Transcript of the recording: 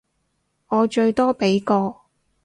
我最多畀個